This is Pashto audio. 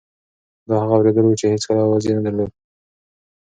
دا هغه اورېدل وو چې هېڅ اواز یې نه درلود.